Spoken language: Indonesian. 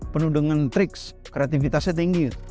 penuh dengan triks kreativitasnya tinggi